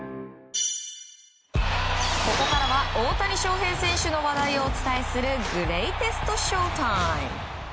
ここからは大谷翔平選手の話題をお伝えするグレイテストＳＨＯ‐ＴＩＭＥ。